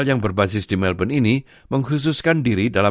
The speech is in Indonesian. yang memberikan paket paket yang terbaru